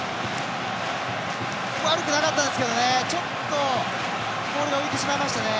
悪くなかったんですけどねちょっとボールが浮いてしまいましたね。